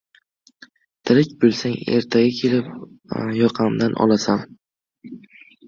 Tirik bo‘lsang, ertaga kelib yoqamdan olasan.